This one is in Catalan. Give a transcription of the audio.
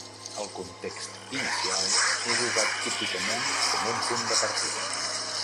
El context inicial és usat típicament com un punt de partida.